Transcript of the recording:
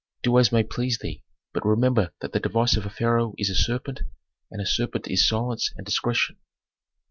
"Do as may please thee, but remember that the device of a pharaoh is a serpent, and a serpent is silence and discretion."